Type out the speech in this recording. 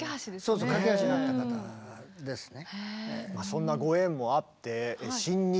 そうそう懸け橋になった方ですね。